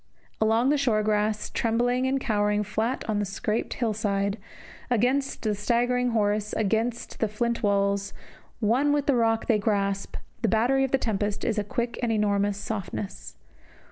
Along the short grass, trembling and cowering flat on the scarped hill side, against the staggering horse, against the flint walls, one with the rock they grasp, the battery of the tempest is a quick and enormous softness.